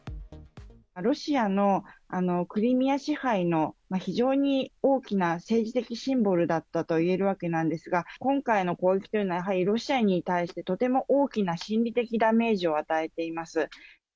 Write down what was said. ロシアのクリミア支配の非常に大きな、政治的シンボルだったと言えるわけなんですが、今回の攻撃というのは、やはりロシアに対して、とても大きな心理的ダメージを与えています。